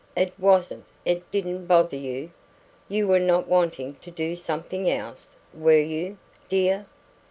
"It wasn't it didn't bother you? You were not wanting to do something else, were you, dear?"